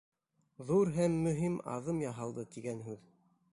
Ҙур һәм мөһим аҙым яһалды, тигән һүҙ.